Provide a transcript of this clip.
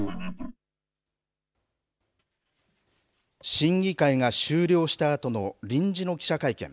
審議会が終了したあとの臨時の記者会見。